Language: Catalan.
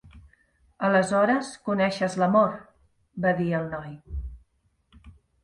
"Aleshores coneixes l'amor" va dir el noi.